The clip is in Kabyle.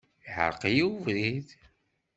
Iɛreq-iyi ubrid.